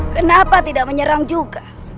kenapa tidak menyerang juga